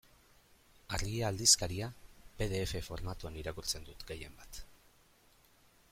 Argia aldizkaria pe de efe formatuan irakurtzen dut gehienbat.